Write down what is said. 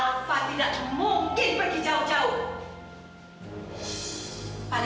lihat nih alva enggak mau pergi jauh jauh